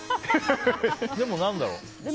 でも、何だろう。